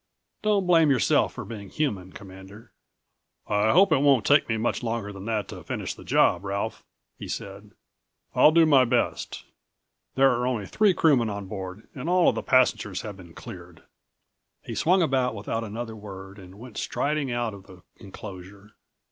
"Don't blame yourself for being human, Commander." "I hope it won't take me much longer than that to finish the job, Ralph," he said. "I'll do my best. There are only three crewmen on board and all of the passengers have been cleared." He swung about without another word and went striding out of the enclosure.